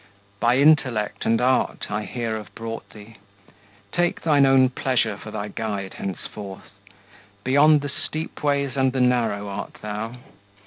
By intellect and art I here have brought thee; Take thine own pleasure for thy guide henceforth; Beyond the steep ways and the narrow art thou.